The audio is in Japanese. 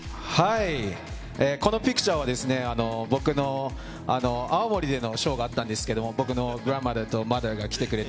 このピクチャーはですね、僕の青森でのショーがあったんですけど、僕のグランマザーとマザーが来てくれて。